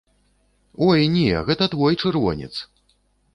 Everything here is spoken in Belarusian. Ой, не, гэта твой чырвонец!